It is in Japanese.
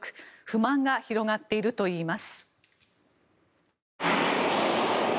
不満が広がっているといいます。